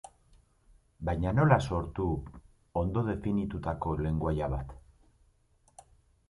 Baina nola sortu ondo definitutako lengoaia bat?